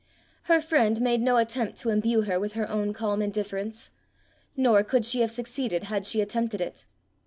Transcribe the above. Her friend made no attempt to imbue her with her own calm indifference, nor could she have succeeded had she attempted it.